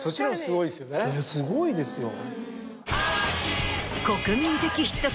ええすごいですよ。